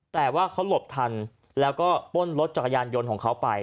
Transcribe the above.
แต่ว่าเขาหลบทันแล้วก็ป้นรถจักรยานยนต์ของเขาไป